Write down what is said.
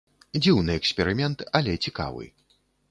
Дзіўны эксперымент, але цікавы.